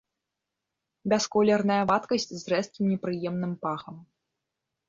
Бясколерная вадкасць з рэзкім непрыемным пахам.